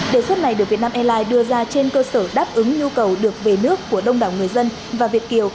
đề xuất này được việt nam airlines đưa ra trên cơ sở đáp ứng nhu cầu được về nước của đông đảo người dân và việt kiều